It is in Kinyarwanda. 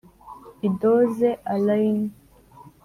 i doze, allayne.